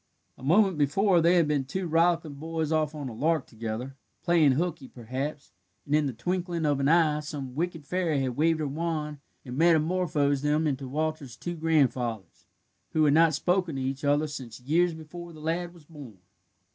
A moment before they had been two rollicking boys off on a lark together playing hooky, perhaps and in the twinkling of an eye some wicked fairy had waved her wand and metamorphosed them into Walter's two grandfathers, who had not spoken to each other since years before the lad was born.